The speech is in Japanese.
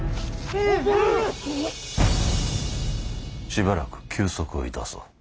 しばらく休息を致そう。